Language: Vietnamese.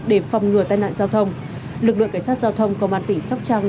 để phòng ngừa tai nạn giao thông lực lượng cảnh sát giao thông công an tỉnh sóc trăng